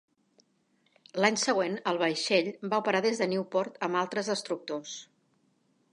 L'any següent, el vaixell va operar des de Newport amb altres destructors.